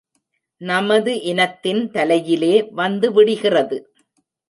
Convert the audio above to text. நமது இனத்தின் தலையிலே வந்து விடிகிறது!